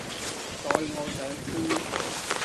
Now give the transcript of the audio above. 所以我想知